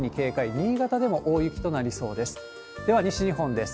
新潟でも大雪となりそうです。